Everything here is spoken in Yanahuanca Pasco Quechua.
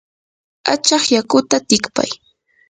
achaq yakuta tikpay.